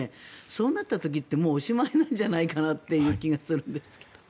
そうなった時ってもうおしまいなんじゃないかなという気がするんですが。